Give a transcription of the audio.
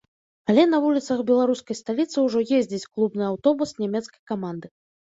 Але на вуліцах беларускай сталіцы ўжо ездзіць клубны аўтобус нямецкай каманды.